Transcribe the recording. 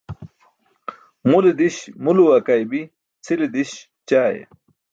Mule diś muluwe akaybi, cʰile diś ćaaye.